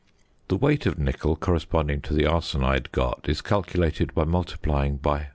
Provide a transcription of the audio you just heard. The weight of nickel corresponding to the arsenide got is calculated by multiplying by 0.